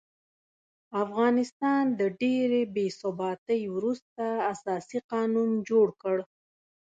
افغانستان د ډېرې بې ثباتۍ وروسته اساسي قانون جوړ کړ.